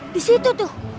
di situ tuh